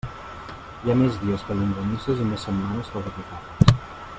Hi ha més dies que llonganisses i més setmanes que botifarres.